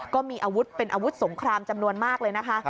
ก็เป็นอาวุธสงครามจำนวนมากเลยนะคะ